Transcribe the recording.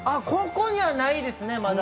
ここにはないですね。